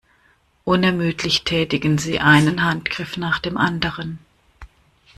Unermüdlich tätigen sie einen Handgriff nach dem anderen.